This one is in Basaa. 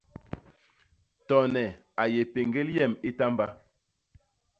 Tone a yé péñgél yem i tamba.